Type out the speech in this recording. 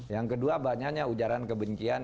yang kedua banyaknya ujaran kebencian